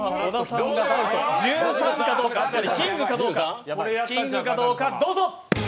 １３かどうか、キングかどうか、どうぞ。